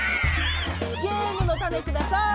ゲームのタネください！